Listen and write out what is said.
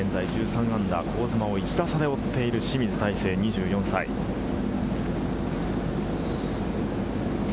現在−１３、香妻を１打差で追っている清水大成、２４歳。